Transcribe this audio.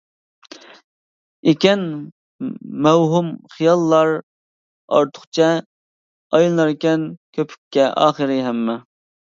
ئىكەن مەۋھۇم خىياللار ئارتۇقچە، ئايلىناركەن كۆپۈككە ئاخىرى ھەممە.